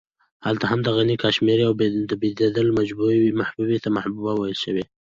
هلته هم د غني کاشمېري او د بېدل محبوبې ته محبوبه ويل شوې.